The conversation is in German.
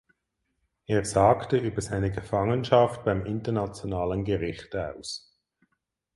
Er sagte über seine Gefangenschaft beim Internationalen Gericht aus.